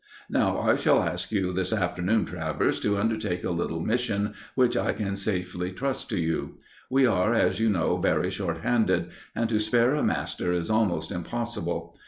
"Now, I shall ask you this afternoon, Travers, to undertake a little mission which I can safely trust to you. We are, as you know, very short handed, and to spare a master is almost impossible.